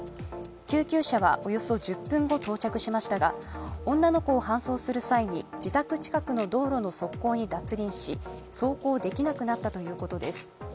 救急車はおよそ１０分後、到着しましたが女の子を搬送する際に自宅近くの道路の側溝に脱輪し走行できなくなったということです。